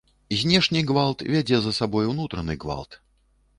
Знешні гвалт вядзе за сабой унутраны гвалт.